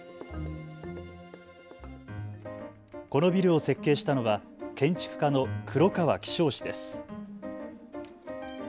このビルを設計したのは建築家の黒川紀章氏です。